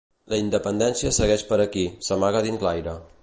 La independència segueix per aquí, s'amaga dins l'aire.